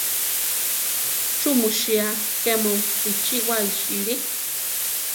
¿Chú mu sía ké mu bichíwa iʼsíli?